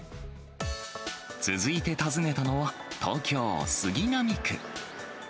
続いて訪ねたのは、東京・杉並区。